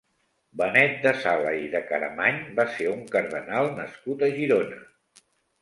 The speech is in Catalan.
Benet de Sala i de Caramany va ser un cardenal nascut a Girona.